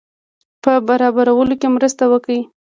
په برابرولو کې مرسته وکړي.